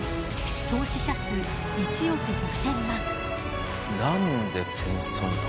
総死者数１億５０００万。